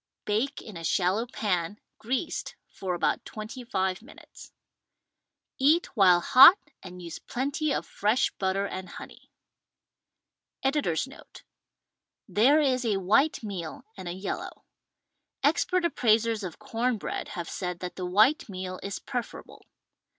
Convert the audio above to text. Bake in a shallow pan (greased) for about twenty five minutes. Eat while hot and use plenty of fresh butter and honey. Editor's Note: — There is a white meal and a yellow. Ex pert appraisers of com bread have said that the white meal is preferable.